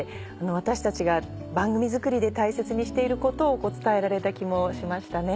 私たちが番組作りで大切にしていることを伝えられた気もしましたね。